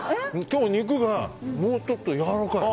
今日、肉がもうちょっとやわらかい。